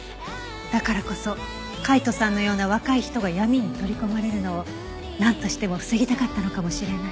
だからこそ海斗さんのような若い人が闇に取り込まれるのをなんとしても防ぎたかったのかもしれない。